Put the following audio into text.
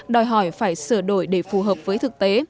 đòi hỏi phải sửa đổi để phù hợp với thực tế